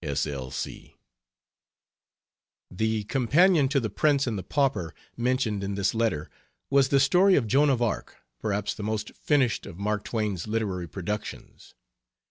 S. L. C. "The companion to The Prince and the Pauper," mentioned in this letter, was the story of Joan of Arc, perhaps the most finished of Mark Twain's literary productions.